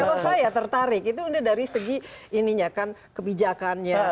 kalau saya tertarik itu udah dari segi ininya kan kebijakannya